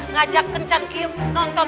ngajak kencan kiam nonton